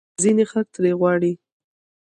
ځینې خلک ترې غواړي